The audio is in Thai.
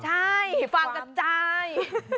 ใช่ฟางกระจาย